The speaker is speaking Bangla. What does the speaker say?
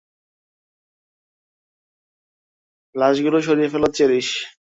লাশগুলো সরিয়ে ফেলো, চেরিস!